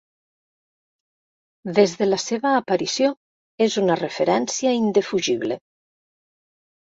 Des de la seva aparició és una referència indefugible.